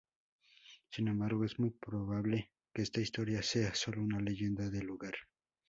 Sin embargo, es muy probable que esta historia sea sólo una leyenda del lugar.